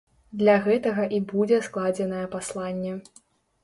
Для гэтага і будзе складзенае пасланне.